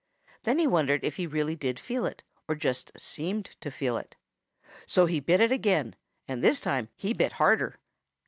Then he wondered if he really did feel it or just seemed to feel it. So he bit it again, and this time he bit harder.